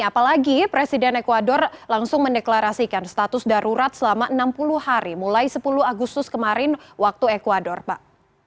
apalagi presiden ecuador langsung mendeklarasikan status darurat selama enam puluh hari mulai sepuluh agustus kemarin waktu ecuador pak